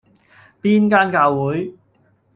邊間教會?